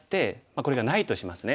これがないとしますね。